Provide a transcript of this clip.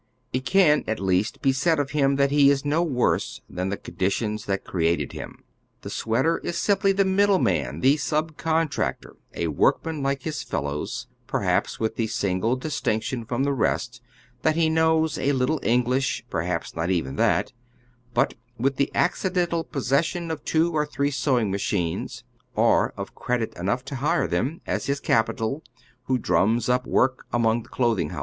It can at least be said of him that he is no worse than the conditions that created him. The sweater is simply the middleman, the sub contractor, a workman like his fellows, perhaps with the single distinction from the rest that he knows a little English ; perhaps not even that, but with the accidental possession of two or three sewing machines, or of credit enough to hire them, as his capital, who drums up work among the clothing houses.